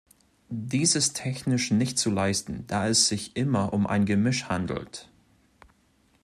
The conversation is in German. Dies ist technisch nicht zu leisten, da es sich immer um ein Gemisch handelt.